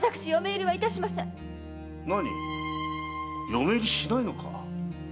嫁入りしないのか？